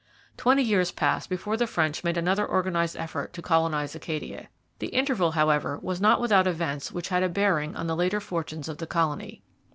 Twenty years passed before the French made another organized effort to colonize Acadia. The interval, however, was not without events which had a bearing on the later fortunes of the colony.